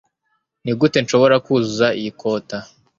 Nigute nshobora kuzuza iyi cota